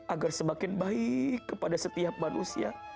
agar semakin baik kepada setiap manusia